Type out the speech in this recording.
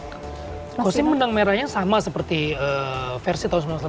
mas rako ini menang merahnya sama seperti versi seribu sembilan ratus delapan puluh dua